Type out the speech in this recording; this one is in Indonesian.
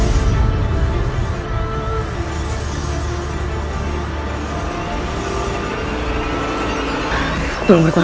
aku tidak akan meninggalkanmu